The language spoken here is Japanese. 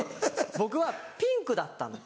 僕はピンクだったの。